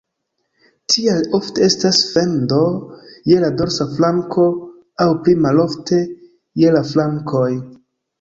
Tial ofte estas fendo je la dorsa flanko aŭ pli malofte je la flankoj.